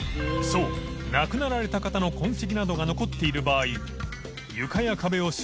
磴修亡くなられた方の痕跡などが残っている場合